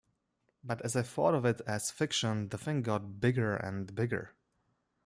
But as I thought of it as fiction the thing got bigger and bigger.